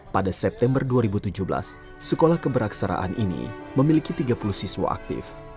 pada september dua ribu tujuh belas sekolah keberaksaraan ini memiliki tiga puluh siswa aktif